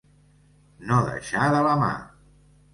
No deixar de la mà.